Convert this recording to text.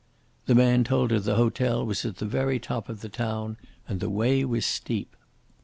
The man told her the hotel was at the very top of the town, and the way was steep.